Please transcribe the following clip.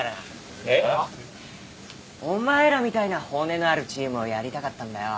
えっ？お前らみたいな骨のあるチームをやりたかったんだよ。